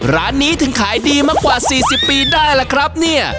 ร้านนี้ถึงขายดีมากว่า๔๐ปีได้ล่ะครับเนี่ย